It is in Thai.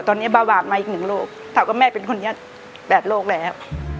ตอนนี้บาปหวาดมาอีก๑โรคแต่ว่าแม่เป็นคนแบบโรคแล้ว